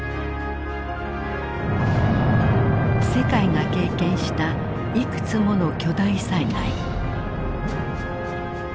世界が経験したいくつもの巨大災害。